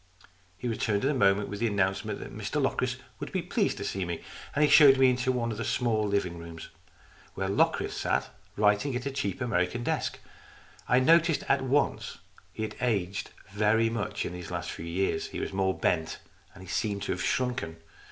He returned in a moment with the announce ment that Mr Locris would be pleased to see me, and showed me into one of the small living rooms, LOCRIS OF THE TOWER 207 where Locris sat writing at a cheap American desk. I noticed at once that he had aged very much in these last few years. He was more bent. He seemed to have shrunken.